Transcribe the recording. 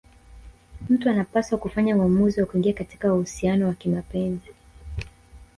Mtu anapaswa kufanya uamuzi wa kuingia katika uhusiano wa kimapenzi